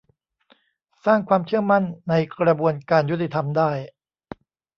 สร้างความเชื่อมั่นในกระบวนการยุติธรรมได้